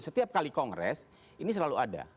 setiap kali kongres ini selalu ada